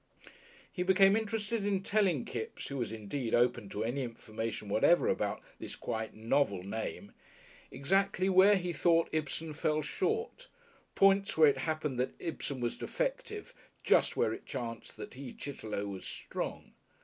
He became interested in telling Kipps, who was indeed open to any information whatever about this quite novel name, exactly where he thought Ibsen fell short, points where it happened that Ibsen was defective just where it chanced that he, Chitterlow, was strong.